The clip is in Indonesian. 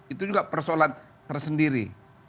itu juga persoalan tersendiri